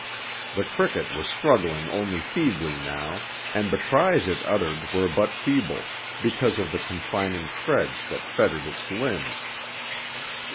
The cricket was struggling only feebly now, and the cries it uttered were but feeble, because of the confining threads that fettered its limbs.